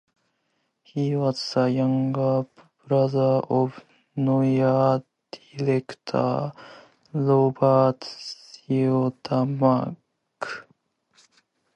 He was the younger brother of noir director Robert Siodmak.